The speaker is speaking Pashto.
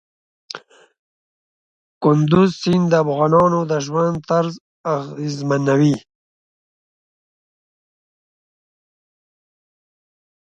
کندز سیند د افغانانو د ژوند طرز اغېزمنوي.